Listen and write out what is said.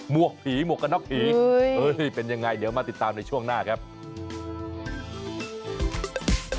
มวกผีมวกกระน็อปผีเป็นอย่างไรเดี๋ยวมาติดตามในช่วงหน้าครับอืม